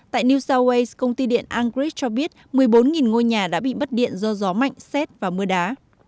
tại new south wales công ty điện angres cho biết một mươi bốn ngôi nhà đã bị mất điện do gió mạnh xét và mưa đá